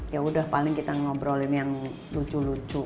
ya udah paling kita ngobrolin yang lucu lucu